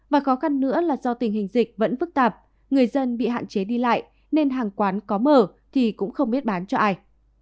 và khó khăn nữa là do tình hình dịch vẫn phức tạp người dân bị hạn chế đi lại nên hàng quán có mở thì cũng không biết bán cho ai